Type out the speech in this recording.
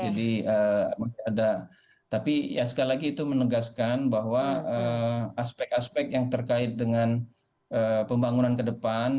jadi masih ada tapi sekali lagi itu menegaskan bahwa aspek aspek yang terkait dengan pembangunan ke depan